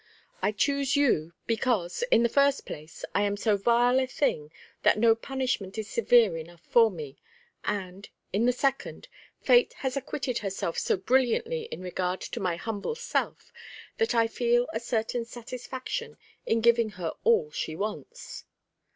I choose you, because, in the first place, I am so vile a thing that no punishment is severe enough for me; and, in the second, Fate has acquitted herself so brilliantly in regard to my humble self that I feel a certain satisfaction in giving her all she wants."